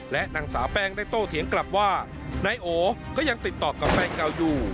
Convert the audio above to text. และนางสาวแป้งได้โตเถียงกลับว่านายโอก็ยังติดต่อกับแฟนเก่าอยู่